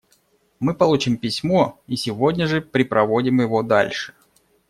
Мы получим письмо и сегодня же препроводим его дальше.